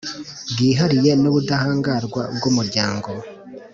bwihariye n ubudahangarwa bw Umuryango